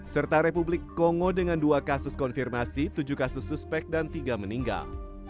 serta republik kongo dengan dua kasus konfirmasi tujuh kasus suspek dan tiga meninggal